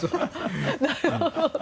なるほど。